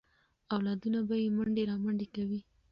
اولادونه به یې منډې رامنډې کوي.